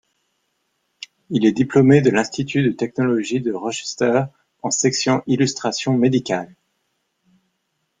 Il est diplômé de l'Institut de technologie de Rochester en section illustration médicale.